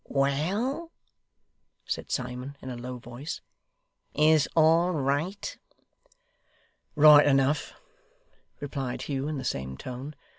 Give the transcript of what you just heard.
'Well!' said Simon, in a low voice; 'is all right?' 'Right enough,' replied Hugh, in the same tone.